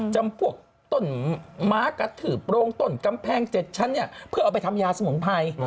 จำพวกต้นม้ากะถือโปรงต้นกำแพงเจ็ดชั้นเพื่อเอาไปทำยาสมงภัย